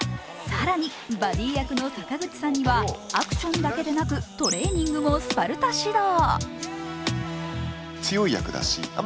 更に、バディ役の坂口さんにはアクションだけでなくトレーニングもスパルタ指導。